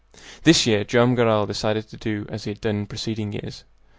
This year Joam Garral decided to do as he had done in preceding years.